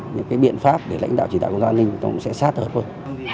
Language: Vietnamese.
những biện pháp để lãnh đạo chỉ đạo công tác an ninh sẽ sát hợp hơn